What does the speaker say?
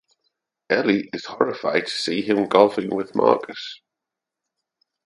Ellie is horrified to see him golfing with Marcus.